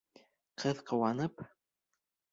Ҡыҙ ҡыуанып: